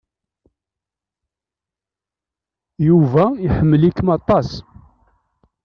Yuba iḥemmel-ikem aṭas.